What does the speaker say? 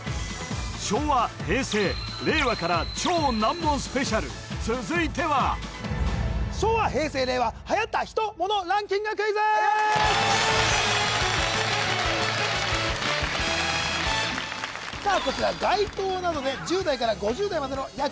昭和平成令和から超難問ＳＰ続いては昭和平成令和流行ったヒト・モノランキングクイズさあ